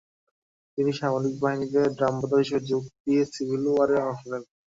তিনি সামরিক বাহিনীতে ড্রামবাদক হিসেবে যোগ দিয়ে সিভিল ওয়ারে অংশ নেন।